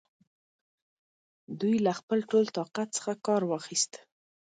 دوی له خپل ټول طاقت څخه کار واخیست.